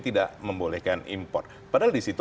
tidak membolehkan import padahal di situ